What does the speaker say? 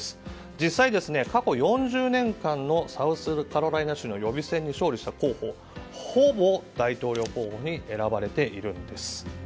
実際、過去４０年間のサウスカロライナ州の予備選に勝利した候補ほぼ大統領候補に選ばれているんです。